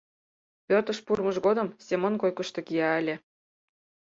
Пӧртыш пурымыж годым Семон койкышто кия ыле.